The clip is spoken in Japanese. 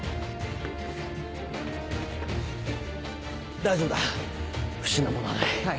大丈夫だ不審な物はない。